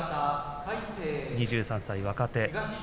２３歳若手。